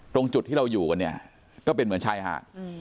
ตรงจุดที่เราอยู่กันเนี่ยก็เป็นเหมือนชายหาด